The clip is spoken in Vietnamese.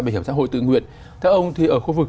bảo hiểm xã hội tự nguyện theo ông thì ở khu vực